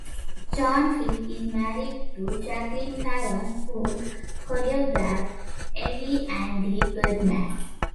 John Field is married to Jacqueline Fallon, who choreographed, "Evie and the Birdman".